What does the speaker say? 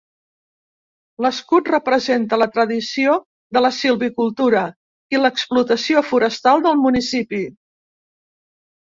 L'escut representa la tradició de la silvicultura i l'explotació forestal del municipi.